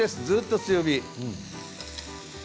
ずっと強火。